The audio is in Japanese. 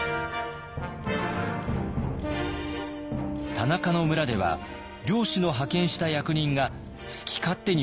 田中の村では領主の派遣した役人が好き勝手に振る舞っていました。